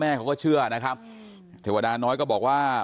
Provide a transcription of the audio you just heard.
ไม่เกี่ยวหรอก